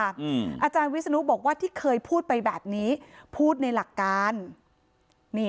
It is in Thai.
อาจารย์วิศนุบอกว่าที่เคยพูดไปแบบนี้พูดในหลักการนี่